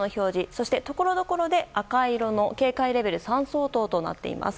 そしてところどころで赤色の警戒レベル３相当となっています。